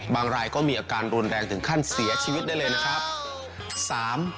รายก็มีอาการรุนแรงถึงขั้นเสียชีวิตได้เลยนะครับ